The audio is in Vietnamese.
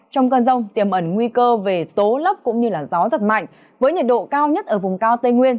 trong cơn rông tiềm ẩn nguy cơ về tố lốc cũng như gió giật mạnh với nhiệt độ cao nhất ở vùng cao tây nguyên